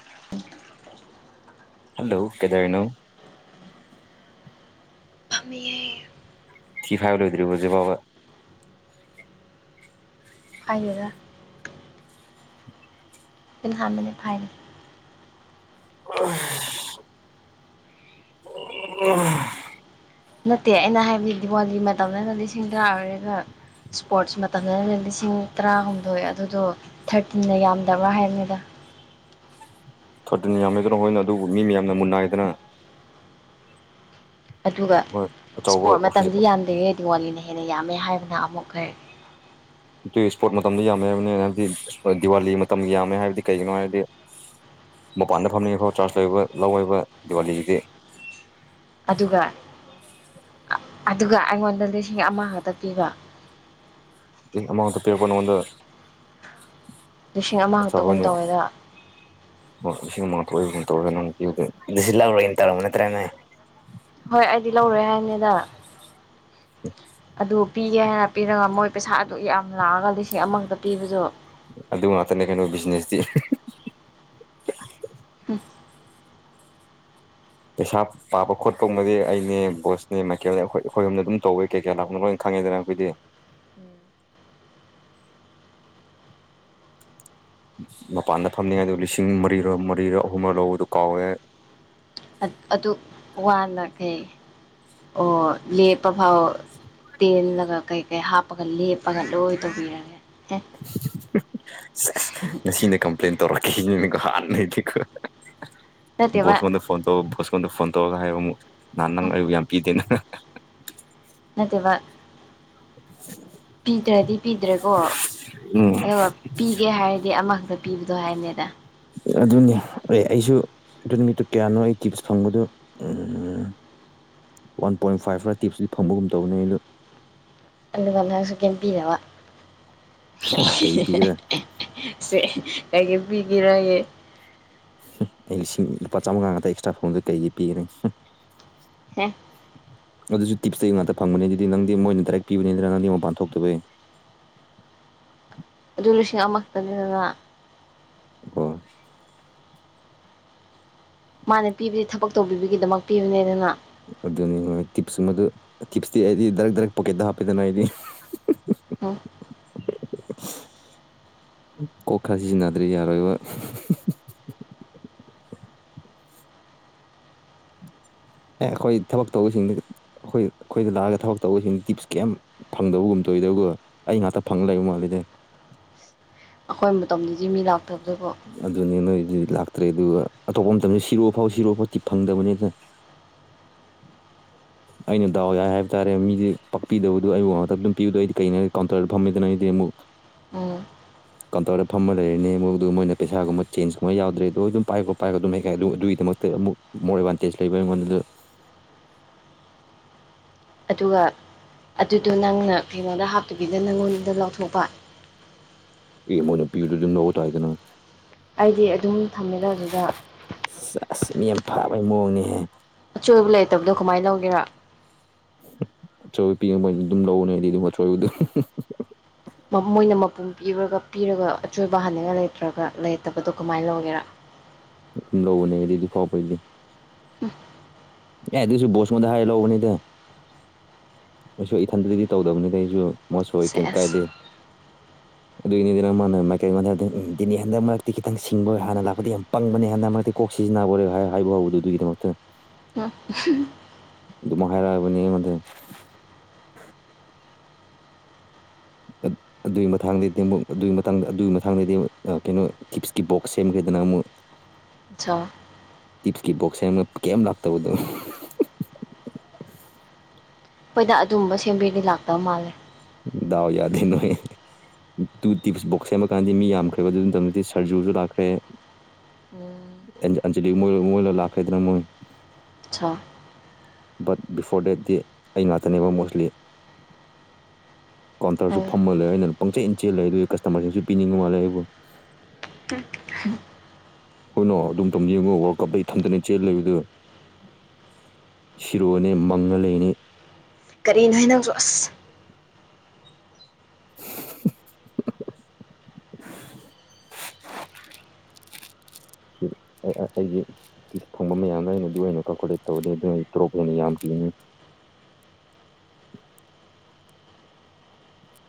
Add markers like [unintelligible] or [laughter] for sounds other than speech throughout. [unintelligible] Hello ꯀꯩꯗꯧꯔꯤꯅꯣ ꯐꯝꯃꯤꯌꯦ ꯊꯤ ꯐꯥꯏꯕ ꯂꯣꯏꯗꯔ꯭ꯤꯕꯣ ꯍꯧꯖꯤꯛꯐꯥꯎꯕ ꯐꯥꯏꯗꯦꯗꯥ ꯈꯨꯠ ꯍꯝꯕꯅꯦ ꯐꯥꯏꯗꯦ [unintelligible] [unintelligible] ꯅꯠꯇꯦ ꯑꯩꯅ ꯍꯥꯏꯕꯗꯤ ꯗꯤꯋꯥꯂꯤ ꯃꯇꯝꯗꯅ ꯂꯤꯁꯤꯡ ꯇꯔꯥ ꯑꯣꯏꯔꯒ ꯏꯁꯄꯣꯔꯠꯁ ꯃꯇꯝꯗ ꯂꯤꯁꯤꯡ ꯇꯔꯥꯍꯨꯝꯗꯣꯏ ꯑꯗꯨꯗꯣ ꯊꯥꯔꯇꯤꯟꯗ ꯌꯥꯝꯗꯕ꯭ꯔꯥ ꯍꯥꯏꯝꯅꯤꯗ ꯊꯔꯇꯤꯟꯅ ꯌꯥꯝꯃꯦꯗꯅ ꯍꯣꯏꯅ ꯑꯗꯨꯕꯨ ꯃꯤ ꯃꯌꯥꯝꯅ ꯃꯨꯅꯥꯏꯗꯅ ꯑꯗꯨꯒ ꯍꯣꯏ ꯑꯆꯧꯕ ꯏꯁ꯭ꯄꯣꯔꯠ ꯃꯇꯝꯗꯤ ꯑꯣꯐꯤꯁ ꯌꯥꯝꯗꯦ ꯗꯤꯋꯥꯂꯤꯅ ꯍꯦꯟꯅ ꯌꯥꯝꯃꯦ ꯍꯥꯏꯕꯅ ꯑꯃꯨꯛ ꯀꯔꯤ ꯇꯨ ꯏꯁꯄꯣꯔꯠ ꯃꯇꯝꯗ ꯌꯥꯝꯃꯦ ꯍꯥꯏꯕꯅꯤꯅ ꯍꯥꯏꯕꯗꯤ ꯗꯤꯋꯥꯂꯤ ꯃꯇꯝ ꯌꯥꯝꯃꯦ ꯍꯥꯏꯕꯗꯤ ꯀꯩꯒꯤꯅꯣ ꯍꯥꯏꯔꯗꯤ ꯃꯄꯥꯟꯗ ꯐꯝꯅꯤꯡꯐꯥꯎ ꯆꯥꯔꯆ ꯂꯩꯕ ꯂꯧꯋꯦꯕ ꯗꯤꯋꯥꯂꯤꯒꯤꯗꯤ ꯑꯗꯨꯒ ꯑꯗꯨꯒ ꯑꯩꯉꯣꯟꯗ ꯂꯤꯁꯤꯡ ꯑꯃ ꯈꯛꯇ ꯄꯤꯕ ꯂꯤꯁꯤꯡ ꯑꯃ ꯈꯛꯇ ꯄꯤꯔꯛꯄ ꯅꯪꯉꯣꯟꯗ ꯂꯤꯁꯤꯡ ꯑꯃꯈꯛꯇꯒꯨꯝ ꯇꯧꯋꯦꯗ [unintelligible] ꯑꯣ ꯏꯁꯤꯡ [unintelligible] ꯇꯧꯔꯤ ꯑꯗꯨꯁꯨ ꯂꯧꯔꯣꯏꯅ ꯇꯧꯔꯝꯕ ꯅꯠꯇ꯭ꯔꯥ ꯅꯪ ꯍꯣꯏ ꯑꯩꯗꯤ ꯂꯧꯔꯣꯏ ꯍꯥꯏꯅꯤꯗ ꯑꯗꯨ ꯄꯤꯒꯦ ꯍꯥꯏꯅ ꯄꯤꯔꯒ ꯃꯣꯏ ꯄꯩꯁꯥ ꯑꯗꯨꯛ ꯌꯥꯝ ꯂꯥꯛꯑꯒ ꯂꯤꯁꯤꯡ ꯑꯃꯈꯛꯇ ꯄꯤꯕꯗꯨ ꯑꯗꯨ ꯉꯥꯛꯇꯅꯦ ꯀꯩꯅꯣ ꯕꯤꯖꯤꯅꯦꯁꯇꯤ ꯍꯨꯝ ꯄꯩꯁꯥꯞ ꯄꯥꯕ ꯈꯣꯠꯄꯒꯨꯝꯕꯗꯤ ꯑꯩꯅꯦ ꯕꯣꯁꯅꯦ ꯃꯥꯏꯀꯦꯜꯅꯦ ꯑꯩꯈꯣꯏꯍꯨꯝꯅ ꯑꯗꯨꯝ ꯇꯧꯋꯦ ꯀꯩ ꯀꯌꯥ ꯂꯥꯛꯅꯣ ꯂꯣꯏꯅ ꯈꯪꯉꯦꯗꯅ ꯑꯩꯈꯣꯏꯗꯤ ꯃꯄꯥꯟꯗ ꯐꯝꯅꯤꯉꯥꯏꯗ ꯂꯤꯁꯤꯡ ꯃꯔꯤꯔ ꯃꯔꯤꯔ ꯑꯍꯨꯝꯔ ꯂꯧꯕꯗꯨ ꯀꯥꯎꯋꯦ ꯑꯗꯨꯛ ꯋꯥꯅ ꯀꯩ ꯑꯣ ꯂꯦꯞꯄꯐꯥꯎ ꯇꯦꯜꯂꯒ ꯀꯩ ꯀꯩ ꯍꯥꯞꯄꯒ ꯂꯦꯞꯄꯒ ꯂꯣꯏ ꯇꯧꯕꯤꯔꯒꯦ ꯑꯦ ꯁꯤꯁ ꯉꯁꯤꯅ ꯀꯝꯄ꯭ꯂꯦꯟ ꯇꯧꯔꯛꯈꯤꯅꯤꯀꯣ ꯍꯥꯥꯟꯅꯗꯤꯀꯣꯪ ꯅꯠꯇꯦꯕ [unintelligible] ꯐꯣꯟ ꯇꯧꯔ ꯚꯣꯁꯀꯣꯟꯗ ꯐꯣꯟ ꯇꯧꯔꯒ ꯍꯥꯏꯌꯣ ꯑꯃꯨꯛ ꯅꯍꯥꯟ ꯅꯪ ꯑꯩꯕꯨ ꯌꯥꯝ ꯀꯤꯗꯦ ꯅꯪ ꯅꯠꯇꯦꯕ [unintelligible] ꯄꯤꯗ꯭ꯔꯗꯤ ꯄꯤꯗ꯭ꯔꯦꯀꯣ ꯎꯝ ꯑꯗꯨꯒ ꯄꯤꯒꯦ ꯍꯥꯏꯔꯗꯤ ꯑꯃꯈꯛꯇ ꯄꯤꯕꯗꯣ ꯍꯥꯏꯕꯅꯦꯗ ꯑꯗꯨꯅꯦ ꯑꯦ ꯑꯩꯁꯨ ꯑꯗꯨ ꯅꯨꯃꯤꯠꯇꯨ ꯀꯌꯥꯅꯣ ꯑꯩ ꯇꯤꯞꯁ ꯐꯪꯕꯗꯨ ꯎꯝ ꯎꯝ ꯋꯥꯟ ꯄꯣꯏꯟ ꯐꯥꯏꯚ ꯂꯥ ꯇꯤꯞꯁꯇꯨ ꯐꯕꯒꯨꯝ ꯇꯧꯕꯅꯦ ꯑꯗꯨ ꯑꯗꯨꯒ ꯅꯪꯁꯨ ꯀꯦꯝ ꯄꯤꯗꯕ ꯀꯩ ꯄꯤꯒꯦꯔꯥ ꯁꯦ ꯀꯩꯀꯩ ꯄꯤꯒꯦꯔꯌꯦ ꯑꯩ ꯂꯤꯁꯤꯡ ꯂꯨꯄꯥ ꯆꯥꯝꯃꯉꯥ ꯉꯥꯛꯇ ꯑꯦꯛꯁꯇ꯭ꯔꯥ ꯐꯪꯕꯗꯣ ꯀꯩꯒꯤ ꯄꯤꯒꯅꯤ ꯍꯦ ꯑꯗꯨꯁꯨ ꯇꯤꯞꯁ ꯇꯩ ꯉꯥꯛꯇ ꯐꯪꯕꯅꯦꯅ ꯑꯗꯨꯗꯤ ꯅꯪꯗꯤ ꯃꯣꯏꯅ ꯗꯥꯏꯔꯦꯛ ꯄꯤꯕꯅꯤꯅ ꯅꯪꯗꯤ ꯃꯄꯥꯟ ꯊꯣꯛꯇꯕꯩ ꯑꯗꯨ ꯂꯤꯁꯤꯡ ꯑꯃꯈꯛꯇꯅꯤꯗꯅ ꯍꯣꯏ ꯃꯥꯅ ꯄꯤꯕꯗꯤ ꯊꯕꯛ ꯇꯧꯕꯤꯕꯒꯤꯗꯃꯛ ꯄꯤꯕꯅꯦꯗꯅ ꯑꯗꯨꯅꯤ ꯍꯣꯏ ꯇꯤꯞꯁ ꯃꯗꯨ ꯇꯤꯞꯁꯇꯤ ꯑꯩꯗꯤ ꯗꯥꯢꯔꯦꯛ ꯗꯥꯢꯔꯦꯛ ꯄꯣꯀꯦꯠꯇ ꯍꯥꯞꯄꯦꯗꯅ ꯑꯩꯗꯤ ꯎꯝ ꯀꯣꯛ ꯈꯔ ꯁꯤꯖꯤꯟꯅꯗ꯭ꯔꯗꯤ ꯌꯥꯔꯣꯏꯕ ꯑꯦ ꯑꯩꯈꯣꯏ ꯊꯕꯛ ꯇꯧꯕꯁꯤꯡꯗꯤ ꯑꯩꯈꯣꯏ ꯑꯩꯈꯣꯏꯗ ꯂꯥꯛꯑꯒ ꯊꯕꯛ ꯇꯧꯕꯁꯤꯡ ꯇꯤꯞꯁꯤ ꯀꯩꯝ ꯐꯪꯗꯕꯒꯨꯝ ꯇꯧꯢꯗꯒꯣ ꯑꯩ ꯉꯥꯛꯇ ꯐꯪ ꯂꯩ ꯃꯥꯜꯂꯦꯗ ꯑꯩꯈꯣꯏ ꯃꯇꯝꯗꯗꯤ ꯃꯤ ꯂꯥꯛꯇꯕꯗꯨꯒꯣ ꯑꯗꯨꯅꯤ ꯅꯣꯏꯗꯤ ꯂꯥꯛꯇ꯭ꯔꯦ ꯑꯗꯨꯒ ꯑꯇꯣꯞꯄ ꯃꯇꯝꯗ ꯁꯤꯔꯣ ꯐꯥꯎ ꯁꯤꯔꯣ ꯐꯥꯎꯗꯤ ꯐꯪꯗꯕꯅꯤꯗ ꯑꯩꯅ ꯗꯥꯎ ꯌꯥꯏ ꯍꯥꯏꯕ ꯇꯥꯔꯦ ꯃꯤꯁ ꯄꯥꯛꯄꯤꯗꯕꯗꯨ ꯑꯩꯕꯨ ꯑꯃꯇ ꯑꯗꯨꯝ ꯄꯤꯕꯗꯣ ꯑꯩꯗꯤ ꯀꯩꯅꯣ ꯀꯥꯎꯟꯇꯔꯗ ꯐꯝꯃꯦꯗꯅ ꯑꯩꯗꯤ ꯑꯃꯨꯛ ꯎꯝ [inaudible] ꯀꯩꯅꯣ ꯇꯧꯔꯒ ꯐꯝꯃ ꯂꯩꯔꯅꯤ ꯃꯣꯏꯗꯨ ꯃꯣꯏꯅ ꯄꯩꯁꯥꯒꯨꯝꯕ ꯆꯦꯟꯖꯀꯨꯝꯕ ꯌꯥꯎꯗ꯭ꯔꯦꯗꯣ ꯑꯗꯨꯝ ꯄꯥꯏ ꯈꯣꯠ ꯄꯥꯏ ꯑꯗꯨꯝ ꯍꯥꯏ ꯑꯗꯨꯒꯤꯗꯃꯛꯇ ꯑꯃꯨꯛ ꯃꯣꯔ ꯑꯦꯗꯚꯥꯟꯇꯦꯖ ꯂꯩꯕ ꯑꯩꯉꯣꯟꯗꯁꯨ ꯑꯗꯨꯒ ꯑꯗꯨꯗꯣ ꯅꯪꯅ ꯀꯩꯅꯣꯗ ꯍꯥꯞꯇꯕꯤꯗ ꯅꯪꯉꯣꯟꯗ ꯂꯥꯎꯊꯣꯛꯄ ꯑꯦ ꯃꯣꯏꯅ ꯄꯤꯕꯗꯨ ꯑꯗꯨꯝ ꯂꯧꯕ ꯇꯥꯢ ꯀꯩꯅꯣ ꯑꯩꯗꯤ ꯑꯗꯨꯝ ꯊꯝꯃꯦꯗ ꯑꯗꯨꯗ ꯑꯁ ꯑꯁ ꯃꯤ ꯌꯥꯝ ꯐꯥꯕꯒꯤ ꯃꯑꯣꯡꯅꯤꯍꯦ ꯑꯆꯣꯏꯕ ꯂꯩꯇꯕꯗꯣ ꯀꯃꯥꯏꯅ ꯂꯧꯒꯦꯔꯥ ꯑꯆꯣꯏꯕ ꯄꯤ ꯃꯣꯢ ꯑꯗꯨꯝ ꯂꯧꯕꯅꯦ ꯑꯗꯨꯝ ꯑꯆꯣꯏꯕꯗꯣ ꯃꯣꯏꯅ ꯃꯄꯨꯝ ꯄꯤꯕꯔꯒ ꯄꯤꯔꯒ ꯑꯆꯣꯏꯕ ꯍꯥꯟꯅꯤꯡꯉꯥꯏ ꯂꯩꯇ꯭ꯔꯒ ꯂꯩꯔꯇꯕꯗꯣ ꯀꯃꯥꯏꯅ ꯂꯧꯒꯦꯔꯥ ꯑꯗꯨꯝ ꯂꯧꯕꯅꯦ ꯑꯩꯗꯤ ꯍꯧꯖꯤꯛꯐꯥꯎꯕꯒꯤꯗꯤ ꯎꯝ ꯑꯦ ꯑꯗꯨꯏꯁꯨ ꯕꯣꯁꯃꯣꯟꯗ ꯍꯥꯏꯔ ꯂꯧꯕꯅꯤꯗ ꯑꯩꯁꯨ ꯏꯊꯟꯇꯗꯤ ꯇꯧꯗꯕꯅꯤꯗ ꯑꯩꯁꯨ ꯃꯣꯢꯁꯨ ꯀꯩꯝ ꯁꯦꯁ ꯀꯥꯏꯗꯦ ꯑꯗꯨꯒꯤꯅꯤꯗꯅ ꯃꯥꯅ ꯃꯥꯏꯀꯩ ꯃꯥꯟꯅꯗꯦ ꯗꯤ ꯍꯟꯗꯛ ꯃꯔꯛꯇꯤ ꯈꯤꯇꯪ ꯍꯥꯟꯅ ꯂꯥꯛꯄꯗꯤ ꯌꯥꯝ ꯄꯪꯕꯅꯦ ꯍꯟꯅ ꯃꯔꯛꯇꯤ ꯀꯣꯛ ꯁꯤꯖꯤꯟꯅꯕꯣꯔꯦ ꯍꯥꯏ ꯍꯥꯏꯕꯥꯍꯧꯕꯗꯨꯗꯤ ꯑꯗꯨꯒꯤꯃꯛꯇ ꯑ [unintelligible] ꯑꯗꯨꯃꯥꯢꯅ ꯍꯥꯢꯔꯛꯑꯕꯅꯤ ꯑꯩꯉꯣꯡꯗ ꯎ [unintelligible] ꯑꯗꯨꯏ ꯃꯊꯥꯡꯗꯩꯗꯤ ꯑꯃꯨꯛ ꯑꯗꯨꯒꯤ ꯃꯇꯥꯡꯗ ꯑꯗꯨꯒꯤ ꯃꯊꯥꯡꯗꯩꯗꯤ ꯑꯥ ꯀꯩꯅꯣ ꯀꯤꯞꯁꯀꯤ ꯕꯣꯛꯁ ꯁꯦꯝꯒꯦꯍꯥꯏꯗꯅ ꯑꯃꯨꯛ [inaudible] ꯆꯥ ꯇꯤꯞꯁꯀꯤ ꯕꯣꯛꯁ ꯁꯦꯝꯃ ꯀꯦꯝ ꯂꯥꯛꯇꯕꯗꯣ [unintelligible] ꯍꯣꯏꯗ ꯑꯗꯨꯝꯕ ꯁꯦꯝꯕꯤꯔꯤꯗꯤ ꯂꯥꯛꯇꯕ ꯃꯥꯜꯂꯦ ꯗꯥꯎ ꯌꯥꯗꯦꯅꯣꯏ [unintelligible] ꯇꯨ ꯇꯤꯞꯁ ꯕꯣꯛꯁ ꯁꯦꯝꯃꯀꯥꯟꯗꯤ ꯃꯤ ꯌꯥꯝꯈ꯭ꯔꯦꯕ ꯑꯗꯨ ꯃꯇꯝꯗꯨꯗꯤ ꯁꯔꯖꯨꯁꯨ ꯂꯥꯛꯈ꯭ꯔꯦ ꯎꯝ ꯑꯦꯟ ꯑꯟꯖꯂꯤ ꯃꯣꯏ [unintelligible] ꯃꯣꯏꯂꯥ ꯂꯥꯛꯈ꯭ꯔꯗꯅꯥ ꯃꯣꯏ ꯆꯥ ꯕꯠ ꯕꯤꯐꯣꯔ ꯗꯦꯠꯗꯤ ꯑꯩ ꯉꯥꯛꯇꯅꯦꯕ ꯃꯣꯁꯂꯤ ꯀꯥꯎꯟꯇꯔꯁꯨ ꯅꯪ ꯐꯝꯃꯒꯂꯩ ꯑꯩꯅ ꯄꯪꯆꯦꯟ ꯆꯦꯜꯂꯩ ꯑꯗꯨꯏꯒꯤ ꯀꯁꯇꯥꯃꯔꯁꯤꯡꯁꯨ ꯄꯤꯅꯤꯡꯕ ꯃꯥꯜꯂꯦ ꯑꯩꯕꯨ [unintelligible] ꯍꯨꯅꯣ ꯑꯗꯨ ꯃꯇꯝ ꯌꯦꯡꯉꯣ ꯋꯥꯔꯜ ꯀꯞꯇꯥ ꯏꯊꯟꯇꯥꯅꯦ ꯆꯦꯜ ꯂꯩꯕꯗꯨ ꯁꯤꯔꯣꯅꯦ ꯃꯪꯉꯥ ꯂꯩꯒꯅꯤ ꯀꯔꯤꯅꯣꯍꯦ ꯅꯪꯁꯨ ꯑꯁ [unintelligible] [unintelligible] ꯑꯩ ꯑꯥ ꯑꯩꯒꯤ ꯇꯤꯄꯁ ꯐꯪꯕ ꯃꯌꯥꯝꯗꯣ ꯑꯩꯅ ꯑꯗꯨ ꯑꯣꯏꯅ ꯀꯜꯀꯣꯂꯦꯠ ꯇꯧꯔꯗꯤ ꯑꯗꯨ ꯑꯩ ꯇꯣꯂꯣꯞ ꯍꯦꯟꯅ ꯌꯥꯝ ꯄꯤꯒꯅꯤ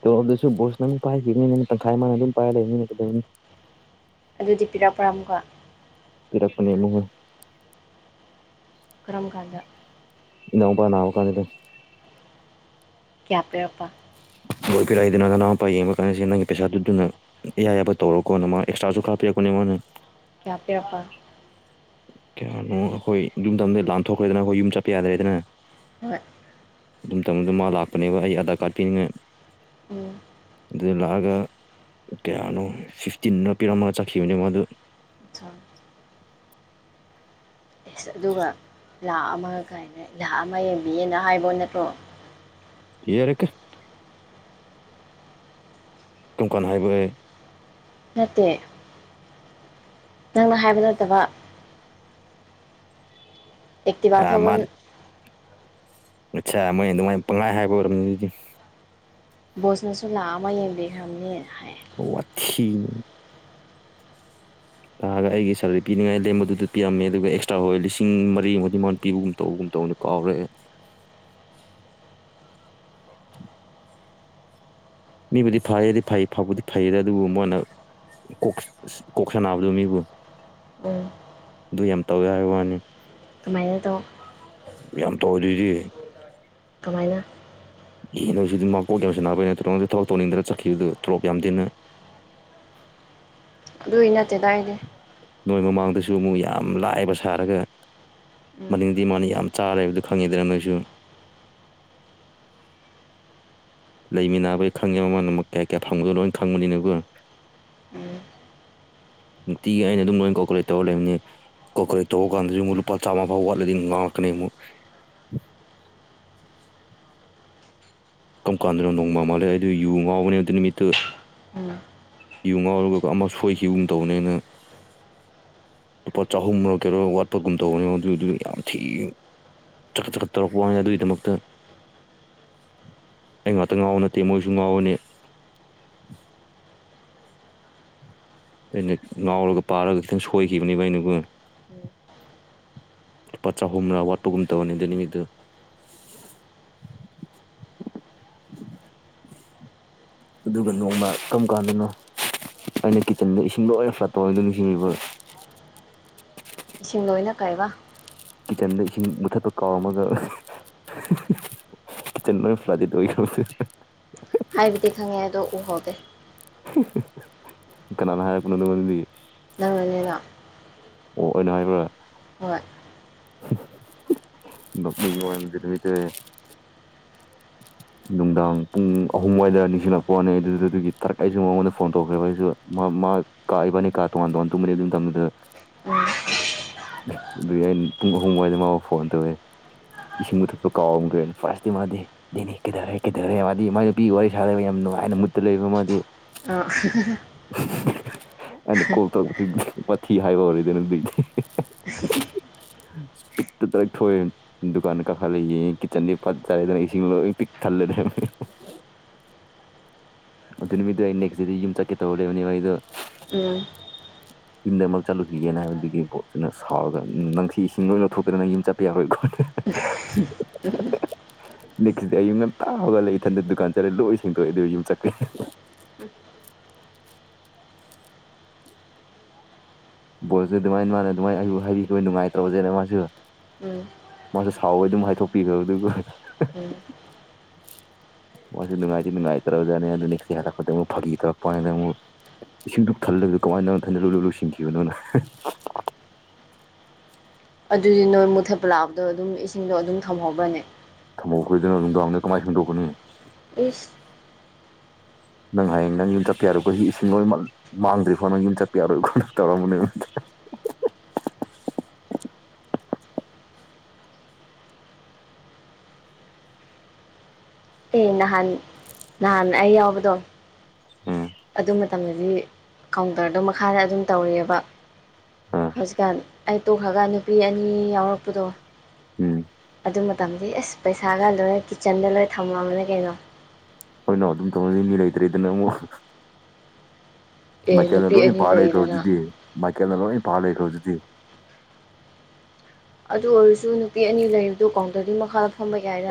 ꯇꯣꯂꯣꯞꯗꯨꯁꯨ ꯕꯣꯁꯅ ꯃꯨꯛ ꯄꯥꯏꯈꯤꯕꯅꯤꯅꯦ ꯑꯩꯅ ꯇꯪꯈꯥꯏ ꯃꯥꯅ ꯑꯗꯨꯝ ꯄꯥꯏꯔ ꯂꯩꯕꯅꯤꯅꯦ ꯀꯩꯗꯧꯅꯤ ꯑꯗꯨꯗꯤ ꯄꯤꯔꯛꯄ꯭ꯔꯥ ꯃꯨꯛꯀꯥ? ꯄꯤꯔꯛꯄꯅꯦ ꯑꯃꯨꯛꯒꯥ ꯀꯥꯔꯝ ꯀꯥꯟꯗ? ꯏꯅꯥꯎꯟꯄ ꯅꯥꯕꯀꯟꯗ ꯗꯨ ꯀ꯭ꯌꯥ ꯄꯤꯔꯛꯄ? [unintelligible] ꯀꯗꯥꯏ ꯅꯥ ꯅꯅꯥꯏꯄ ꯌꯦꯡꯕ ꯀꯟꯗꯥ ꯁꯦ ꯅꯪꯒꯤ ꯄꯩꯁꯥꯗꯨ ꯗꯨꯅ ꯑꯦꯌꯥ ꯌꯥꯕ ꯇꯧꯔꯣꯀꯣ ꯅꯪ ꯃꯥ ꯑꯦꯛꯁꯇ꯭ꯔꯥꯁꯨ ꯈꯥꯔ ꯄꯤꯔꯛꯄꯅꯦ ꯃꯥꯅ ꯀꯌꯥ ꯄꯤꯔꯛꯄ? ꯀꯌꯥꯅꯣ ꯑꯈꯣꯏ ꯗꯨꯃꯇꯝꯗ ꯂꯥꯟꯊꯣꯛꯈ꯭ꯔꯦꯗꯅ ꯀꯣ ꯌꯨꯝ ꯆꯠꯄ ꯌꯥꯗ꯭ꯔꯦꯗꯅ ꯍꯣꯏ ꯑꯗꯨ ꯃꯇꯝꯗꯨꯗ ꯃꯥ ꯂꯥꯛꯄꯅꯦꯕ ꯑꯩ ꯑꯥꯙꯥꯔ ꯀꯥꯔꯗ ꯄꯤꯅꯤꯡꯉꯥꯏ ꯎꯝ ꯑꯗꯨꯗ ꯂꯥꯛꯑꯒ ꯀꯌꯥꯅꯣ ꯐꯤꯐꯇꯤꯟꯔ ꯄꯤꯔꯝꯃꯒ ꯆꯠꯈꯤꯕꯅꯦ ꯃꯥꯗꯨ ꯑꯆꯥ ꯑꯦꯁ ꯑꯗꯨꯒ ꯂꯥꯛ ꯑꯃ ꯀꯥꯏꯅ ꯂꯥꯛ ꯑꯃ ꯌꯦꯡꯕꯤꯌꯦꯅ ꯍꯥꯏꯕ ꯅꯠꯇ꯭ꯔꯣ ꯌꯔꯦꯀꯥ ꯀꯥꯔꯝ ꯀꯟ ꯍꯥꯏꯕꯥ ꯑꯩ? ꯅꯠꯇꯦ ꯅꯪꯅ ꯍꯥꯏꯕ ꯅꯠꯇꯕ ꯑꯦꯛꯇꯤꯚꯥ ꯊꯧꯕꯟ ꯑꯠꯆꯥꯥ ꯃꯣꯏ ꯑꯗꯨꯃꯥꯏꯅ ꯄꯪꯍꯥꯏ ꯍꯥꯏꯕ ꯑꯣꯏꯔꯝꯅꯤ ꯑꯗꯨꯗꯤ ꯕꯣꯁꯅꯁꯨ ꯂꯥꯛ ꯑꯃꯥ ꯌꯦꯡꯕꯤꯈ꯭ꯔꯝꯅꯦ ꯍꯥꯏ ꯋꯠꯊꯤꯅꯦ ꯅꯥꯍꯟ ꯑꯩꯒꯤ ꯁꯦꯂꯔꯤ ꯄꯤꯅꯤꯡꯉꯥꯏ ꯂꯦꯝꯕꯗꯨꯗ ꯄꯤꯔꯝꯃꯦ ꯑꯗꯨꯒ ꯑꯦꯛꯁꯇ꯭ꯔꯥ ꯍꯣꯏ ꯂꯤꯁꯤꯡ ꯃꯔꯤꯃꯨꯛꯗꯤ ꯃꯥꯅ ꯄꯤꯕꯒꯨꯝ ꯇꯧꯒꯨꯝ ꯇꯧꯕꯅꯦ ꯀꯥꯎꯔꯦ ꯑꯩ ꯃꯤꯕꯨꯗꯤ ꯐꯩꯔꯦꯗꯤ ꯐꯩ ꯐꯕꯨꯗꯤ ꯐꯩꯌꯦꯗ ꯑꯗꯨꯕꯨ ꯃꯟꯅꯥ ꯀꯣꯛꯁ ꯀꯣꯛ ꯁꯟꯅꯥꯕꯗꯣ ꯃꯤꯕꯨ ꯎꯝ ꯑꯗꯨ ꯌꯥꯝ ꯇꯧꯋꯦ ꯍꯥꯏꯕꯋꯥꯅꯤ ꯑꯗꯨꯃꯥꯏꯅ ꯇꯧ ꯌꯥꯝ ꯇꯧꯗꯣꯏꯗꯤ ꯀꯃꯥꯏꯅ ꯌꯦꯗꯣꯏꯁꯤꯗꯤ ꯃꯀꯣꯛ ꯌꯥꯝ ꯁꯥꯟꯅꯕꯩ ꯅꯠꯇ꯭ꯔꯣ ꯊꯕꯛ ꯇꯧꯅꯤꯡꯗꯅ ꯆꯠꯈꯤꯕꯗꯨ ꯇꯣꯂꯣꯞ ꯌꯥꯝ ꯗꯦꯅ ꯑꯗꯨꯏ ꯅꯠꯇꯦꯗ ꯑꯩꯗꯤ ꯅꯣꯏ ꯃꯃꯥꯡꯗꯁꯨ ꯑꯃꯨꯛ ꯌꯥꯝ ꯂꯥꯏꯕ ꯁꯥꯔꯒ ꯎꯝ ꯃꯅꯤꯡꯗꯤ ꯃꯥꯅ ꯌꯥꯝ ꯆꯥꯔꯒ ꯂꯩꯕꯗꯨ ꯈꯪꯉꯤꯗꯅ ꯅꯣꯏꯁꯨ ꯂꯩꯃꯤꯟꯅꯕꯒꯤ ꯈꯪꯉꯦ ꯃꯃꯜ ꯑꯃꯨꯛ ꯀꯌꯥ ꯀꯌꯥ ꯐꯪꯕꯗꯣ ꯂꯣꯏ ꯈꯪꯕꯅꯤꯅꯒꯣ ꯎꯝ ꯅꯨꯡꯇꯤꯒꯤ ꯑꯩꯅ ꯑꯗꯨꯝ ꯂꯣꯏ ꯀꯣꯀꯨꯂꯦꯠ ꯇꯧꯔ ꯂꯩꯕꯅꯤ ꯀꯣꯀꯨꯂꯦꯠ ꯇꯧꯕ ꯀꯥꯟꯗꯁꯨ ꯑꯃꯨꯛ ꯆꯥꯃ ꯐꯥꯎ ꯋꯥꯠꯂꯗꯤ ꯑꯃꯨꯛ ꯉꯥꯡꯉꯥꯛꯒꯅꯤ ꯀꯔꯝ ꯀꯥꯟꯗꯅꯣ ꯅꯣꯡꯃ ꯑꯃ ꯂꯩ ꯑꯩ ꯑꯗꯨ ꯌꯨ ꯉꯥꯎꯕꯅꯦꯕ ꯑꯗꯨ ꯅꯨꯃꯤꯠꯇꯨ ꯎꯝ ꯌꯨ ꯉꯥꯎꯔꯒ ꯑꯃ ꯁꯣꯏꯈꯤꯕꯒꯨꯝ ꯇꯧꯕꯅꯦꯅ ꯂꯨꯄꯥ ꯆꯍꯨꯝꯔꯣ ꯀꯩꯔꯣ ꯋꯥꯠꯄꯒꯨꯝ ꯇꯧꯕꯅꯦ ꯑꯗꯨꯗꯨ ꯌꯥꯝ ꯊꯤꯅ ꯆꯥꯒꯠ ꯆꯥꯒꯠ ꯇꯧꯔꯛꯄ ꯋꯥꯅꯤꯗ ꯑꯗꯨꯒꯤꯗꯃꯛꯇ ꯑꯩ ꯉꯥꯛꯇ ꯉꯥꯎꯕ ꯅꯠꯇꯦ ꯃꯣꯏꯁꯨ ꯉꯥꯎꯕꯅꯤ ꯑꯩꯅ ꯉꯥꯎꯔꯒ ꯄꯥꯔꯒ ꯈꯤꯇꯪ ꯁꯣꯏꯈꯤꯕꯅꯦꯕ ꯑꯩꯅꯒꯣ ꯂꯨꯄꯥ ꯆꯥꯍꯨꯝꯅꯥ ꯋꯥꯠꯄꯒꯨꯝ ꯇꯧꯕꯅꯤ ꯑꯗꯨ ꯅꯨꯃꯤꯠꯇꯣ ꯑꯗꯨꯒ ꯅꯣꯡꯃ ꯀꯔꯝ ꯀꯥꯟꯗꯅꯣ ꯑꯩꯅ ꯀꯤꯠꯆꯟꯗ ꯏꯁꯤꯡ ꯂꯣꯏꯅ [unintelligible] ꯅꯤꯡꯁꯤꯡꯉꯤꯕ ꯏꯁꯤꯡ ꯂꯣꯏꯅ ꯀꯥꯏꯕ ꯀꯤꯠꯆꯟꯗ ꯏꯁꯤꯡ ꯃꯨꯊꯠꯄ ꯀꯥꯎꯔꯝꯃꯒ ꯆ [unintelligible] ꯐ꯭ꯂꯥꯖꯤꯗꯦ ꯍꯥꯏꯕꯗꯤ ꯈꯪꯉꯦ ꯑꯗꯣ ꯎꯍꯧꯗꯦ ꯀꯅꯥꯅꯥ ꯍꯥꯏꯕꯅꯣ ꯅꯪꯉꯣꯟꯗꯗꯤ ꯅꯪꯅ ꯅꯤꯅ ꯑꯣ ꯑꯩꯅ ꯍꯥꯏꯕꯔꯥ ꯍꯣꯏ ꯅꯣꯡꯅꯤꯡꯕꯩ ꯋꯥꯅꯦ ꯑꯗꯨꯢ ꯅꯨꯃꯤꯠꯇꯣ ꯅꯨꯡꯗꯥꯡ ꯄꯨꯡ ꯑꯍꯨꯝꯋꯥꯏꯗ ꯅꯤꯡꯁꯤꯡꯂꯛꯄ ꯋꯥꯅꯤ ꯑꯗꯨꯗꯨꯒꯤ ꯇꯥꯔꯛ ꯑꯩꯁꯨ ꯃꯉꯣꯟꯗ ꯐꯣꯟ ꯇꯧꯈ꯭ꯔꯦꯕ ꯑꯩꯁꯨ ꯃꯥ ꯀꯥ ꯏꯕꯅꯤ ꯀꯥ ꯇꯣꯉꯥꯟ ꯇꯣꯉꯥꯟ ꯇꯨꯝꯕꯅꯤ ꯑꯗꯨꯢ ꯃꯇꯥꯝꯗꯨꯗ ꯑꯗꯨꯒꯤ ꯑꯩꯅ ꯄꯨꯡ ꯑꯍꯨꯝꯋꯥꯏꯗ ꯃꯥꯕꯨ ꯐꯣꯟ ꯇꯧꯋꯦ ꯏꯁꯤꯡ ꯃꯨꯊꯠꯄ ꯀꯥꯎꯔꯝꯗ꯭ꯔꯦꯅ ꯐꯥꯔꯁꯇꯤ ꯃꯥꯗꯤ ꯗꯦꯅꯤ ꯀꯩꯗꯧꯔꯦ ꯀꯩꯗꯧꯔꯦ ꯃꯥꯗꯤ ꯃꯥꯒꯤ ꯅꯨꯄꯤ ꯋꯥꯔꯤ ꯁꯥ ꯂꯩꯕꯩ ꯌꯥꯝ ꯅꯨꯡꯉꯥꯏꯅ ꯃꯨꯠꯇ ꯂꯩꯕ ꯃꯥꯗꯤ ꯑ [unintelligible] [unintelligible] ꯑꯩꯅ ꯀꯣꯜ ꯇꯧꯔ ꯋꯥꯊꯤ ꯍꯥꯏꯕ [unintelligible] ꯑꯣꯏꯔꯗꯅ ꯑꯗꯨ ꯕꯤꯛꯇ ꯗꯥꯢꯔꯦꯛ ꯊꯣꯛꯑꯦ ꯗꯨꯀꯥꯟꯗ ꯀꯥꯈꯥꯠꯂꯒ ꯌꯦꯡꯉꯦ ꯀꯤꯆꯟꯗꯤ ꯐꯖꯔꯦꯗꯅ ꯢꯁꯤꯡ ꯂꯣꯢꯅ ꯄꯤꯛ ꯊꯥꯜꯂ ꯂꯩꯔꯝꯃꯦ ꯑꯗꯨ ꯅꯨꯃꯤꯠꯇꯨ ꯑꯩ ꯅꯦꯛꯇꯗꯤ ꯌꯨꯝ ꯆꯠꯀꯦ ꯇꯧ ꯂꯩꯕꯅꯦꯕ ꯑꯩꯗꯣ ꯎꯝ [inaudible] ꯌꯨꯝꯗ ꯑꯃꯨꯛ ꯆꯠꯂꯨꯁꯤꯒꯦꯅ ꯍꯥꯏꯕ ꯑꯗꯨꯒꯤ ꯄꯣꯠꯇꯨꯅ ꯁꯥꯎꯔꯒ ꯅꯪꯁꯤ ꯏꯁꯤꯡ ꯑꯣꯏꯅ ꯂꯧꯊꯣꯛꯇꯅ ꯌꯨꯝ ꯆꯠꯄ ꯌꯥꯔꯣꯏ ꯒꯣꯅ [unintelligible] ꯅꯦꯛꯁ ꯇꯥꯗꯤ ꯑꯌꯨꯛ ꯉꯥꯟꯇ ꯍꯧꯒꯠꯂ ꯏꯊꯟꯇ ꯗꯨꯀꯥꯟ ꯆꯠꯂꯦ ꯂꯣꯢ ꯁꯦꯡꯗꯣꯛꯑꯦ ꯑꯗꯧꯒ ꯌꯨꯝ ꯆꯠꯂꯦ [unintelligible] ꯕꯣꯜꯁꯦ ꯑꯗꯨꯃꯥꯏꯅ ꯃꯥꯅ ꯑꯗꯨꯃꯥꯏ ꯑꯩ ꯍꯥꯏ ꯅꯨꯡꯉꯥꯏꯇ꯭ꯔꯥꯕꯁꯦꯅ ꯃꯥꯁꯨ ꯎꯝ ꯃꯥꯁꯨ ꯁꯥꯎꯋꯦ ꯑꯗꯨꯝ ꯍꯥꯏꯗꯣꯛꯄꯤꯈ꯭ꯔꯣ ꯑꯗꯨꯒ ꯎꯝ ꯃꯁꯨ ꯅꯨꯡꯉꯥꯏꯗꯤ ꯅꯨꯡꯉꯥꯏꯇ꯭ꯔꯥ ꯖꯠꯅꯦ ꯑꯗꯨ ꯉꯁꯤ ꯍꯜꯂꯛꯄꯥꯗꯥ ꯐꯥꯒꯔ ꯇꯧꯔꯛꯄ ꯋꯥꯅꯦ ꯏꯁꯤꯡꯗꯨ ꯊꯜꯂꯒ ꯀꯃꯥꯏꯅꯪ ꯊꯟꯗ ꯂꯣꯏꯂꯨ ꯂꯣꯏꯁꯤꯟꯈꯤꯕꯅꯣꯅꯦ ꯑꯗꯨꯗꯤ ꯅꯣꯏ ꯃꯨꯊꯠꯄ ꯂꯥꯛꯄꯗꯣ ꯑꯗꯨꯝ ꯏꯁꯤꯡꯗꯣ ꯑꯗꯨꯝ ꯊꯝꯍꯧꯕꯅꯦ ꯊꯝꯍꯧ ꯈꯣꯏꯗꯣꯅ ꯅꯨꯡꯗꯥꯡꯗ ꯀꯃꯥꯏꯅ ꯁꯦꯡꯗꯣꯛꯀꯥꯅꯤ ꯏꯁ ꯅꯪ ꯍꯌꯦꯡ ꯅꯪ ꯌꯨꯝ ꯆꯠꯄ ꯌꯥꯔꯣꯏꯀꯣ ꯁꯤ ꯏꯁꯤꯡ ꯂꯣꯢꯃꯛ ꯃꯥꯡꯗ꯭ꯔꯤꯀꯣ ꯅꯪ ꯌꯨꯝ ꯆꯠꯄ ꯌꯥꯔꯣꯏꯀꯣ ꯇꯧꯔꯝꯕꯅꯦ ꯑꯦ ꯅꯍꯥꯟ ꯅꯍꯥꯟ ꯑꯩ ꯌꯥꯎꯕꯗꯣ ꯎꯝ ꯑꯗꯨ ꯃꯇꯝꯗꯤ ꯀꯥꯎꯟꯇꯔꯗꯣ ꯃꯈꯥꯗ ꯑꯗꯨꯝ ꯇꯧꯔꯤꯑꯦꯕ ꯑ ꯍꯧꯖꯤꯛꯀꯥꯟ ꯑꯩ ꯇꯣꯛꯈ꯭ꯔꯒ ꯅꯨꯄꯤ ꯑꯅꯤ ꯌꯥꯎꯔꯛꯄꯗꯣ ꯎꯝ ꯑꯗꯨ ꯃꯇꯝꯗꯤ ꯑꯦꯁ ꯄꯩꯁꯥꯒ ꯂꯣꯏꯅ ꯀꯤꯠꯆꯟꯗ ꯂꯣꯏ ꯊꯝꯃꯕꯅꯦ ꯀꯩꯅꯣ ꯍꯣꯏꯅꯣ ꯑꯗꯨꯝ ꯇꯧꯅꯅꯤ ꯂꯩꯇ꯭ꯔꯦ ꯑꯗꯨꯅ ꯑꯃꯨꯛ ꯑꯦ ꯃꯥꯢꯀꯦꯜꯅ ꯅꯨꯄꯤ ꯂꯣꯢꯅ ꯑꯅꯤ ꯄꯥ ꯂꯩꯗꯅ ꯂꯩꯈꯔꯗꯨꯗꯤ ꯃꯥꯢꯀꯦꯜꯅ ꯂꯣꯢ ꯄꯥ ꯂꯩꯈꯔꯗꯨꯗꯤ ꯑꯗꯨ ꯑꯣꯏꯔꯁꯨ ꯅꯨꯄꯤ ꯑꯅꯤ ꯂꯩꯕꯗꯣ ꯀꯥꯎꯟꯇꯔꯒꯤ ꯃꯈꯥ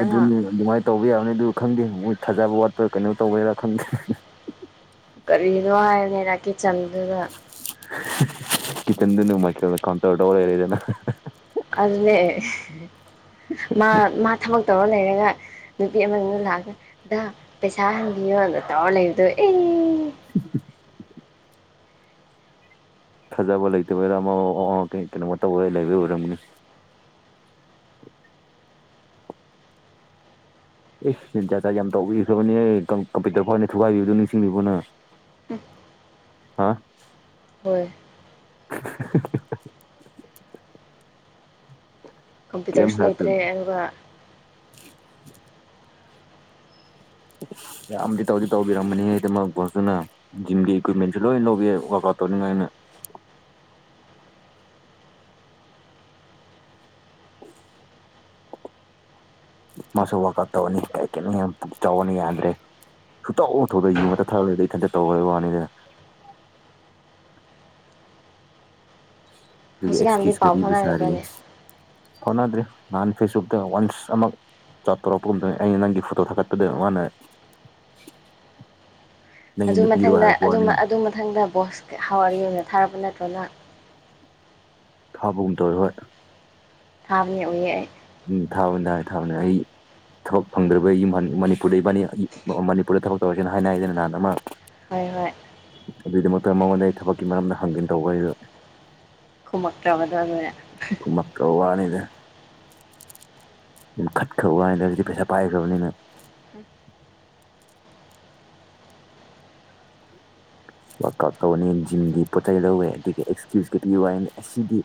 ꯑꯗꯨꯅꯤ ꯑꯗꯨꯃꯥꯏꯅ ꯇꯧꯕ ꯌꯥꯕꯅꯤ ꯑꯗꯨ ꯈꯪꯗꯦ ꯃꯣꯏ ꯊꯥꯖꯕ ꯋꯥꯠꯄꯥ ꯀꯩꯅꯣ ꯇꯧꯕꯦꯔꯥ ꯈꯪꯗꯦ ꯀꯔꯤꯅꯦ ꯍꯥꯢꯕꯅꯤꯗꯥ ꯀꯤꯆꯟꯗꯨꯗ ꯀꯤꯆꯟꯗꯨꯅ ꯃꯥꯢꯀꯦꯜ ꯀꯥꯎꯟꯇꯔ ꯇꯧꯔ ꯂꯩꯔꯦꯗꯅ ꯑꯗꯨꯅꯦ ꯃꯥ ꯃꯥ ꯊꯕꯛ ꯇꯧꯔ ꯂꯩꯔꯒ ꯅꯨꯄꯤ ꯑꯃꯗꯨꯅ ꯂꯥꯛꯑꯒꯗ ꯄꯩꯁꯥ ꯍꯟꯕꯤꯌꯣꯗ ꯇꯧꯔ ꯂꯩꯕꯗꯣ ꯑꯦ [unintelligible] ꯊꯥꯖꯕ ꯂꯩꯇꯕꯩꯔ ꯑꯃ ꯀꯩꯅꯣꯃ ꯇꯧꯕ ꯂꯩꯕꯒꯤ ꯑꯣꯏꯔꯝꯅꯤ ꯑꯦ ꯖꯥꯥꯠ ꯌꯥꯝ ꯇꯧꯕꯤꯈ꯭ꯔꯕꯅꯦ ꯑꯦ ꯀꯝꯄ꯭ꯌꯨꯇꯔ ꯐꯥꯎꯅꯦ ꯊꯨꯒꯥꯏꯕꯤꯕꯗꯨ ꯅꯤꯡꯁꯤꯡꯂꯤꯕꯣ ꯅꯪ ꯍꯥꯥ ꯍꯣꯏ [unintelligible] ꯀꯩꯝ ꯀꯝꯄ꯭ꯌꯨꯇꯔꯁꯨ ꯍꯥꯏꯔꯛꯇꯦ ꯂꯩꯇ꯭ꯔꯦ ꯑꯗꯨꯒ ꯌꯥꯝꯗꯤ ꯇꯧꯗꯤ ꯇꯧꯕꯤꯔꯝꯝꯕꯅꯦ ꯑꯗꯨꯃꯛ ꯐꯣꯇꯅ ꯖꯤꯝꯒꯤ ꯏꯀ꯭ꯋꯤꯞꯃꯦꯟꯁꯨ ꯂꯣꯏ ꯂꯧꯕꯤꯏ ꯋꯥꯛ ꯑꯥꯎꯠ ꯇꯧꯅꯤꯡꯉꯥꯏꯅ ꯃꯥꯁꯨ ꯋꯥꯛ ꯑꯥꯎꯠ ꯇꯧꯔꯅꯤ ꯀ ꯀꯅꯤ ꯌꯥꯝ ꯆꯥꯎꯕꯅ ꯌꯥꯗ꯭ꯔꯦ ꯁꯨꯇꯣꯛꯄꯨ ꯊꯧꯗꯦ ꯌꯨ ꯉꯥꯛꯇꯥ ꯊꯛꯒꯗꯤ ꯏꯟꯇ ꯇꯧꯔꯕ ꯋꯥꯅꯤꯗ ꯍꯧꯖꯤꯛꯀꯥꯟꯗꯤ ꯑꯦꯁꯀꯤꯌꯨꯁꯀ ꯄꯥꯎ ꯄꯤꯕ ꯁꯥꯔꯤꯌꯦ ꯐꯥꯎꯅꯔꯕ꯭ꯔꯅꯦ ꯐꯥꯎꯅꯗ꯭ꯔꯔꯤ ꯅꯍꯥꯟ ꯐꯦꯁꯕꯨꯛꯇ ꯋꯥꯟꯁ ꯑꯃꯛ ꯆꯥꯠ ꯇꯧꯔꯄ ꯒꯨꯝꯅ ꯑꯩ ꯅꯪꯒꯤ ꯐꯣꯇꯣ ꯊꯠꯇꯗ ꯃꯥꯅ ꯅꯪꯒꯤ ꯑꯗꯨ ꯅꯨꯄꯤꯔꯣ ꯃꯊꯪꯗ ꯍꯥꯏꯔꯛꯄ ꯋꯥꯅꯤ ꯑꯗꯨ ꯃꯊꯪꯗ ꯕꯣꯁ ꯍꯥꯎ ꯑꯣꯏꯅ ꯊꯥꯔꯛꯄ ꯅꯠꯇ꯭ꯔꯅ ꯊꯥꯕꯒꯨꯝ ꯇꯧꯑꯦ ꯍꯣꯏ ꯊꯥꯝꯕꯅꯤ ꯎꯌꯦ ꯑꯩ ꯎꯝ ꯊꯥꯕꯅꯦ ꯊꯥꯅꯤ ꯊꯥꯕꯅꯦ ꯑꯩ ꯊꯕꯛ ꯐꯪꯗ꯭ꯔꯔꯤꯕ ꯌꯨꯝ ꯃꯅꯤꯄꯨꯔꯗ ꯏꯕꯥꯅꯤ ꯃꯅꯤꯄꯨꯔꯗ ꯊꯕꯛ ꯇꯧꯔꯁꯦꯅ ꯍꯥꯏꯅ ꯑꯩꯗ ꯅꯍꯥꯟ ꯑꯃ ꯍꯣꯏ ꯍꯣꯏ ꯑꯗꯨꯏꯒꯤꯃꯛꯇ ꯃꯉꯣꯟꯗ ꯑꯩ ꯊꯕꯛꯀꯤ ꯃꯔꯝꯅ ꯍꯪꯒꯟ ꯇꯧꯕ ꯑꯩꯗꯣ ꯈꯨꯃꯛꯇ꯭ꯔꯥꯕ ꯑꯗꯨꯗꯤ ꯈꯨꯝꯃꯛꯇ꯭ꯔꯥꯕ ꯋꯥꯅꯤꯗ ꯈꯠꯈ꯭ꯔꯕ ꯋꯥꯅꯗ ꯍꯧꯖꯤꯛꯗꯤ ꯄꯩꯁꯥ ꯄꯥꯏꯈ꯭ꯔꯕꯅꯤꯅ ꯋꯥꯥꯜ ꯑꯥꯎꯠ ꯇꯧꯕꯅꯦ ꯖꯤꯝꯒꯤ ꯄꯣꯠ ꯆꯩ ꯂꯧꯋꯦ ꯑꯗꯨꯒꯗ ꯑꯦꯛꯁꯀ꯭ꯌꯨꯁ ꯄꯤꯌꯨ ꯍꯥꯏ ꯑꯁꯤꯗꯤ